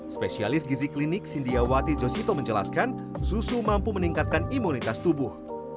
spesialis gizi klinik sindiawati josito menjelaskan susu mampu meningkatkan imunitas tubuh